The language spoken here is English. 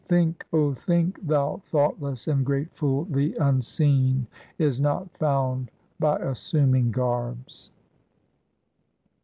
Think, O think, thou thoughtless and great fool, the Unseen is not found by assuming garbs.